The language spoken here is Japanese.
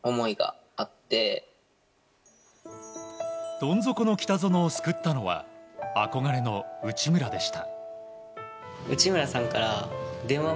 どん底の北園を救ったのは憧れの内村でした。